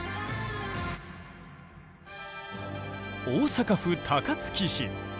大阪府高槻市。